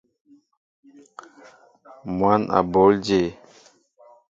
Mwăn a bǒl jě ?